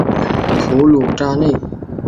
普卢扎内。